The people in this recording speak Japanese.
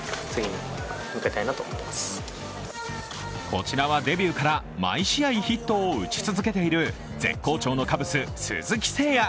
こちらはデビューから毎試合ヒットを打ち続けている絶好調のカブス・鈴木誠也。